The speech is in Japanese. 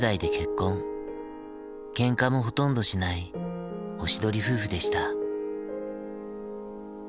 けんかもほとんどしないおしどり夫婦でした。